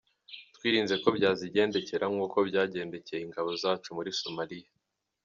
Twirinze ko byazigendekera nk’uko byagendekeye ingabo zacu muri Somalia.